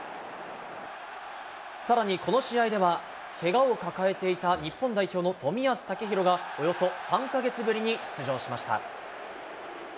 さらにこの試合では、けがを抱えていた日本代表の冨安健洋がおよそ３か月ぶりに出場しました。